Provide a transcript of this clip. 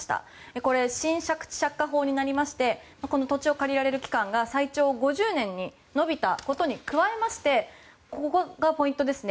これは新借地借家法になりまして土地を借りられる期間が最長５０年に延びたことに加えましてここがポイントですね。